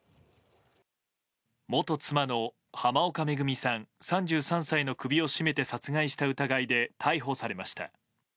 元妻の濱岡恵さん、３３歳の首を絞めて殺害した疑いで逮捕されました。